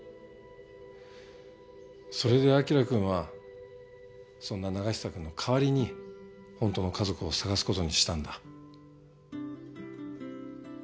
それで輝くんはそんな永久くんの代わりに本当の家族を捜す事にしたんだ？